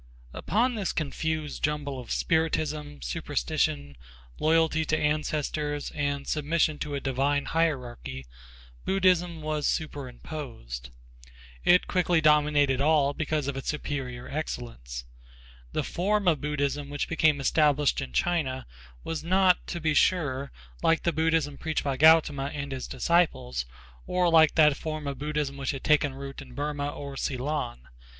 _ Upon this, confused jumble of spiritism, superstition, loyalty to ancestors and submission to a divine hierarchy Buddhism was superimposed. It quickly dominated all because of its superior excellence. The form of Buddhism which became established in China was not, to be sure, like the Buddhism preached by Gautama and his disciples, or like that form of Buddhism which had taken root in Burma or Ceylon.